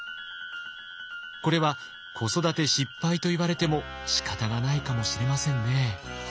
これは子育て失敗と言われてもしかたがないかもしれませんね。